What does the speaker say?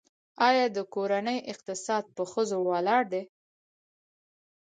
آیا د کورنۍ اقتصاد پر ښځو ولاړ دی؟